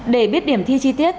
để biết điểm thi chi tiết